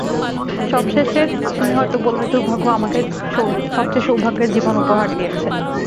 সবশেষে, তুমি হয়তো বলবে দুর্ভাগ্য আমাকে সবচেয়ে সৌভাগ্যের জীবন উপহার দিয়েছে।